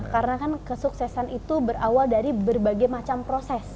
karena kan kesuksesan itu berawal dari berbagai macam proses